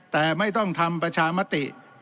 แต่ไม่ต้องทำประชามติ